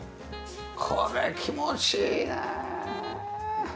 これ気持ちいいねえ！